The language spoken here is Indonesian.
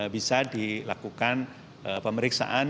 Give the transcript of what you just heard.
bisa dilakukan pemeriksaan